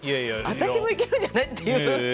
私もいけるんじゃないかって。